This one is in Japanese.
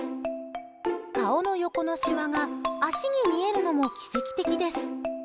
顔の横のしわが足に見えるのも奇跡的です。